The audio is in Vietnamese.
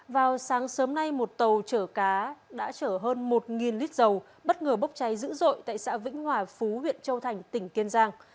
vào sáng sớm nay một tàu chở cá đã chở hơn một lít dầu bất ngờ bốc cháy dữ dội tại xã vĩnh hòa phú huyện châu thành tỉnh kiên giang